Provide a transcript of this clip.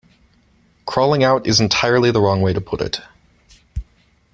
'Crawling out' is entirely the wrong way to put it.